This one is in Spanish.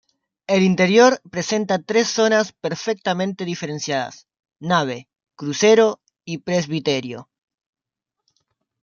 El interior presenta tres zonas perfectamente diferenciadas: Nave, crucero y presbiterio.